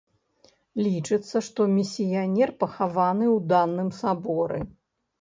Лічыцца, што місіянер пахаваны ў даным саборы.